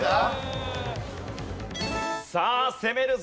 さあ攻めるぞ。